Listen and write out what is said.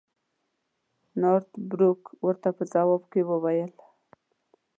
نارت بروک ورته په ځواب کې وویل.